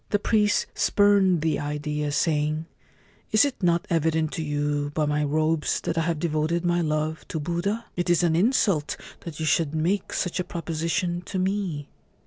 The priest spurned the idea, saying, ' Is it not evident to you by my robes that I have devoted my love to Buddha ? It is an insult that you should make such a proposition to me